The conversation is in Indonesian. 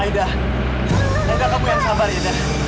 aida aida kamu yang sabar aida